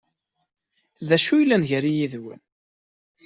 D acu yellan gar-i yid-wen?